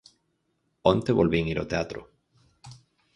Onte volvín ir ó teatro.